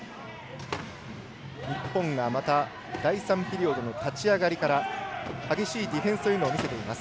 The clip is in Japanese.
日本が第３ピリオドの立ち上がりから激しいディフェンスというのを見せています。